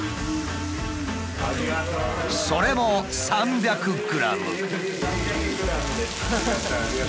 それも３００ｇ！